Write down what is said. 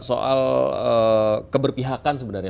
soal keberpihakan sebenarnya